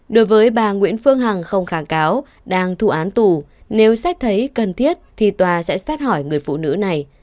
đối với bà nguyễn phương hằng không kháng cáo đang thu án tù nếu xét thấy cần thiết thì tòa sẽ xét hỏi người phụ nữ này